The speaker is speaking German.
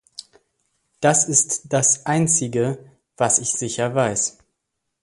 Das ist das einzige, was ich sicher weiß.